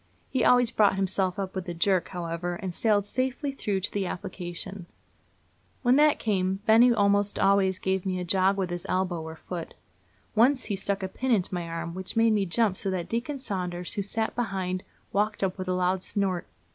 He always brought himself up with a jerk, however, and sailed safely through to the application. When that came, Benny almost always gave me a jog with his elbow or foot. Once he stuck a pin into my arm, which made me jump so that Deacon Saunders, who sat behind, waked up with a loud snort.